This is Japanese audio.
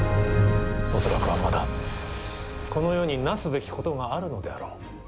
恐らくはまだこの世になすべきことがあるのであろう。